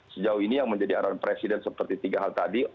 sejauh ini yang menjadi arahan presiden seperti tiga hal tadi